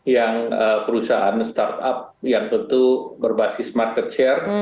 yang perusahaan startup yang tentu berbasis market share